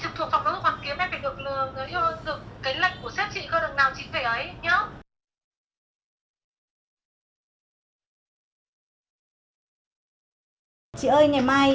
chị trực thuộc phòng hóa dục hoàn kiếm em phải được lệnh của sếp chị cơ đồng nào chính về ấy nhé